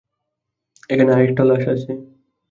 এখানে আরেকটা লাশ আছে।